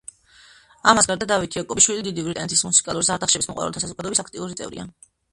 ამას გარდა, დავით იაკობაშვილი დიდი ბრიტანეთის მუსიკალური ზარდახშების მოყვარულთა საზოგადოების აქტიური წევრია.